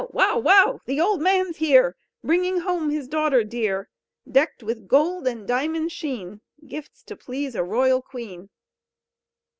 wow! wow! the old man's here! Bringing home his daughter dear, Decked with gold and diamonds' sheen, Gifts to please a royal queen."